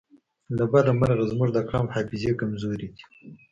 له بده مرغه زموږ د قام حافظې کمزورې دي